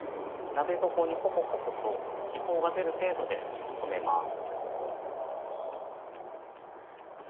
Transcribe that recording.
鍋底にポコポコと気泡が出る程度で止めます。